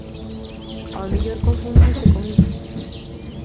Ao mellor confundiuse con iso.